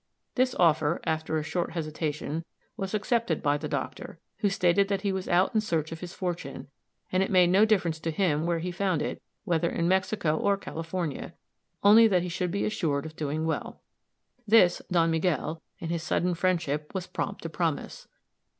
This offer, after a short hesitation, was accepted by the doctor, who stated that he was out in search of his fortune, and it made no difference to him where he found it, whether in Mexico or California, only that he should be assured of doing well. This Don Miguel, in his sudden friendship, was prompt to promise.